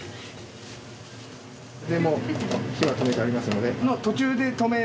でもう火は止めてありますので。